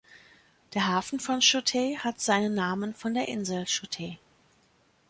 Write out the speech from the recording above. Der Hafen von Shute hat seinen Namen von der Insel Shute.